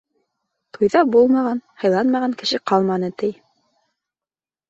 Туйҙа булмаған, һыйланмаған кеше ҡалманы, ти.